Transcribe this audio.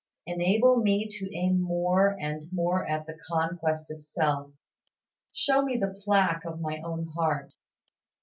Enable me to aim more and more at the conquest of self. Show me the plague of my own heart.